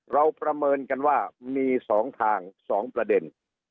เราประเมินกันว่ามีสองทางสองประเด็น